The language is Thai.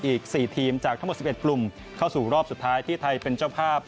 อีก๔ทีมจากทั้งหมด๑๑กลุ่มเข้าสู่รอบสุดท้ายที่ไทยเป็นเจ้าภาพ